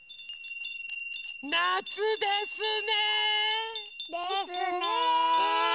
なつですね。ですね。ね。